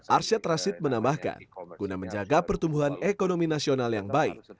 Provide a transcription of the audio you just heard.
arsyad rashid menambahkan guna menjaga pertumbuhan ekonomi nasional yang baik